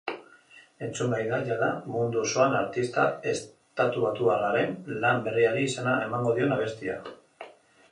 Entzungai da jada mundu osoan artista estatubatuarraren lan berriari izena emango dion abestia.